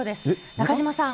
中島さん。